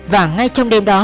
và ngay trong đêm đó